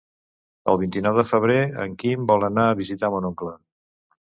El vint-i-nou de febrer en Quim vol anar a visitar mon oncle.